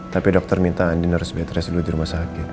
tapi dokter minta andina harus bedres dulu di rumah sakit